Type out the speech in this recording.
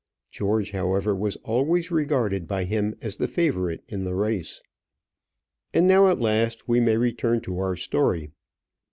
George, however, was always regarded by him as the favourite in the race. And now at last we may return to our story.